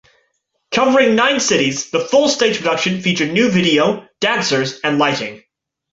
Covering nine cities, the full stage production featured new video, dancers and lighting.